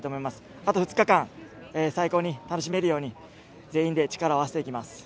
あと２日間最高に楽しめるように全員で力を合わせていきます。